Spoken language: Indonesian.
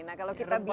nah kalau kita bisa